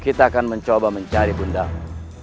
kita akan mencoba mencari bundaran